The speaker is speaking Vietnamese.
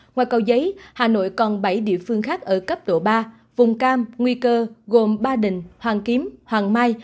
ngoài cầu giấy hà nội còn bảy địa phương khác ở cấp độ ba vùng cam nguy cơ gồm ba đình hoàng kiếm hoàng mai